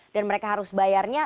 dan mereka harus bayarnya